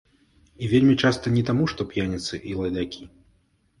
І вельмі часта не таму, што п'яніцы і лайдакі.